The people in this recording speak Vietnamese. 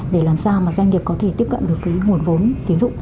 để làm sao doanh nghiệp có thể tiếp cận được nguồn vốn tiến dụng